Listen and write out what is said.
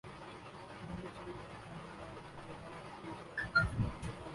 one day سیریزپاکستان Zimbabwe کیخلاف تیسرا میچ کل کھیلے گا